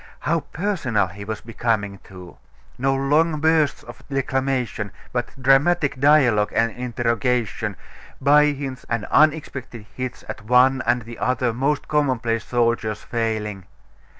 How personal he was becoming, too!... No long bursts of declamation, but dramatic dialogue and interrogation, by hints, and unexpected hits at one and the other most commonplace soldier's failing....